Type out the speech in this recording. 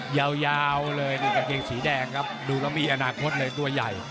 ยาวเลยนี่กางเกงสีแดงครับดูแล้วมีอนาคตเลยตัวใหญ่